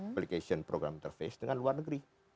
application program interface dengan luar negeri